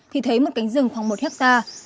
thì thấy một cánh rừng khoảng một hectare